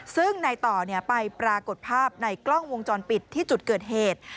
ซึ่งในต่อไปปรากฏภาพในกล้องวงจรปิดที่จุดเกิดเหตุ